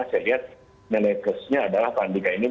saya lihat meletusnya adalah pak andika ini